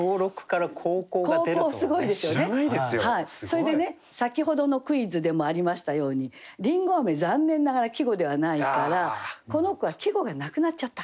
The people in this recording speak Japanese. それでね先ほどのクイズでもありましたように「りんご」残念ながら季語ではないからこの句は季語がなくなっちゃった。